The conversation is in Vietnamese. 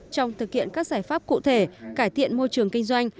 trong thực hiện các giải pháp cụ thể cải thiện môi trường kinh doanh